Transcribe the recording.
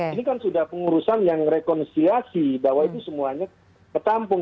ini kan sudah pengurusan yang rekonsiasi bahwa itu semuanya ketampung